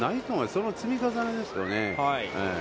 その積み重ねですよね。